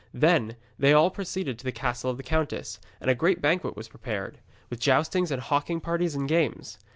Then they all proceeded to the castle of the countess, and a great banquet was prepared, with joustings and hawking parties and games.